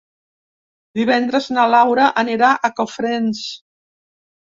Divendres na Laura anirà a Cofrents.